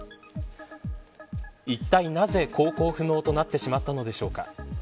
いったい、なぜ、航行不能となってしまったのでしょうか。